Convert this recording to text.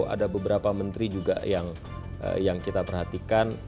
ada beberapa menteri juga yang kita perhatikan